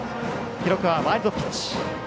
記録はワイルドピッチ。